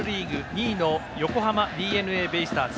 ２位の横浜ＤｅＮＡベイスターズ。